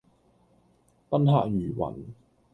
賓客如雲